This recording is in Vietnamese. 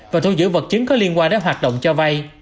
và thu giữ vật chứng có liên quan đến hoạt động cho vay